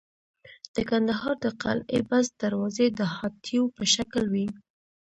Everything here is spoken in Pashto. د کندهار د قلعه بست دروازې د هاتیو په شکل وې